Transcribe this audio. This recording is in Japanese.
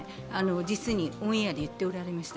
実にオンエアで言っておられました。